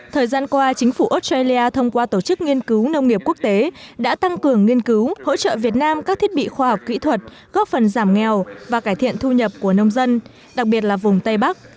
thời gian qua chính phủ australia thông qua tổ chức nghiên cứu nông nghiệp quốc tế đã tăng cường nghiên cứu hỗ trợ việt nam các thiết bị khoa học kỹ thuật góp phần giảm nghèo và cải thiện thu nhập của nông dân đặc biệt là vùng tây bắc